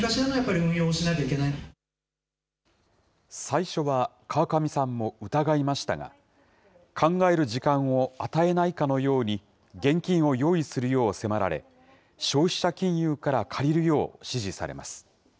最初は川上さんも疑いましたが、考える時間を与えないかのように、現金を用意するよう迫られ、消費者金融から借りるよう指示されます。